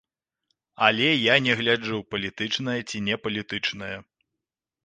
Але я не гляджу, палітычная ці не палітычная.